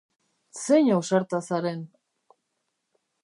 Zein ausarta zaren!